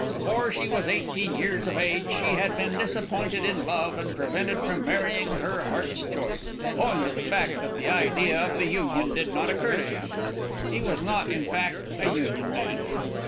Before she was eighteen years of age she had been disappointed in love and prevented from marrying her heart's choice, owing to the fact that the idea of the union did not occur to him. He was not, in fact, a union man.